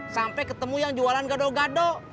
sampai ketemu yang jualan gado gado